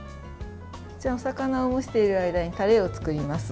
お魚を蒸している間にタレを作ります。